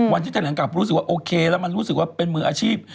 วันที่แถลงกลับรู้สึกว่าโอเคแล้วมันรู้สึกว่าเป็นมืออาชีพ